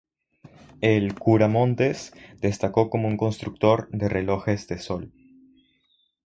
El "cura Montes" destacó como un constructor de relojes de sol.